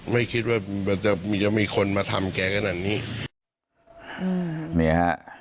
ไม่คิดว่าจะมีคนมาทำแก่ขนาดนี้